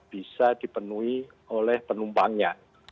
bisa dipenuhi oleh penumpangnya